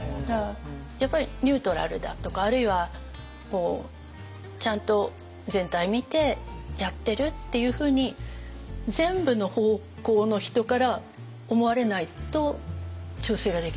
やっぱりニュートラルだとかあるいはちゃんと全体見てやってるっていうふうに全部の方向の人から思われないと調整ができない。